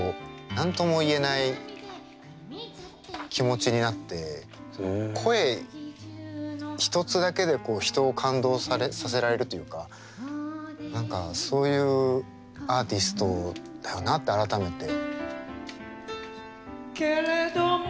何とも言えない気持ちになって声一つだけで人を感動させられるというか何かそういうアーティストだよなって改めて。